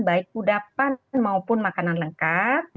baik kudapan maupun makanan lengkap